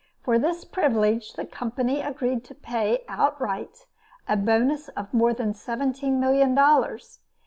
For this privilege, the Company agreed to pay outright a bonus of more than seventeen million dollars.